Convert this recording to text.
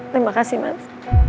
terima kasih mas